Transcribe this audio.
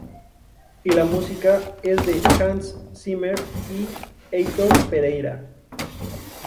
Y la música es de Hans Zimmer y Heitor Pereira.